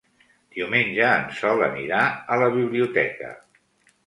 Diumenge en Sol anirà a la biblioteca.